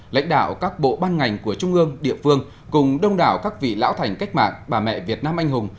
lãnh đạo các bộ ban ngành của trung ương địa phương cùng đông đảo các vị lão thành cách mạng bà mẹ việt nam anh hùng